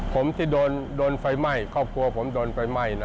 ผมที่โดนไฟไหม้ครอบครัวผมโดนไฟไหม้